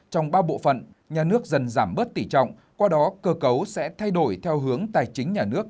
trong ba bộ phận nhà nước dần giảm bớt tỉ trọng qua đó cơ cấu sẽ thay đổi theo hướng tài chính nhà nước